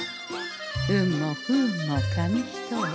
運も不運も紙一重。